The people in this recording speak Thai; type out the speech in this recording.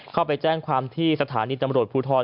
เข้าไปแจ้งความที่สถานีตำรวจภูทร